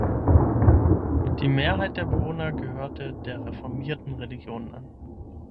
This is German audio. Die Mehrheit der Bewohner gehörte der reformierten Religion an.